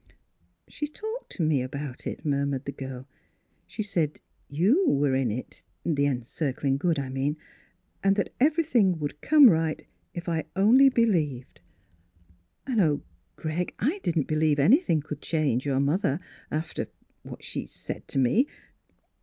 "" She talked to me about it," murmured the girl. " She said you — were in it — the Encircling Good, I mean ; and that everything would come right, if I only be lieved. And oh, Greg, I didn't believe anything could change your mother after — after what she said to me.